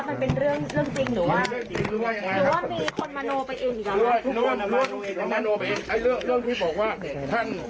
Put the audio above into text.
คือว่ายังไงครับหรือว่ามีคนมาโนไปอิ่มกันเรื่องที่บอกว่าท่าน